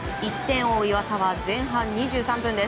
１点を追う磐田は前半２３分。